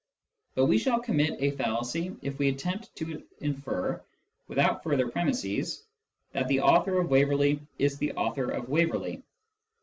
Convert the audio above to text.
But we shall commit a fallacy if we attempt to infer, without further premisses, that the author of Waverley is the author of Waverley.